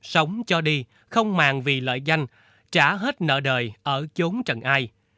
sống cho đi không màng vì lợi danh trả hết nợ đời ở chốn trần ai